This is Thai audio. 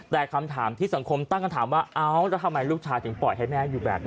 แต่คำถามที่สังคมตั้งคำถามว่าเอ้าแล้วทำไมลูกชายถึงปล่อยให้แม่อยู่แบบนี้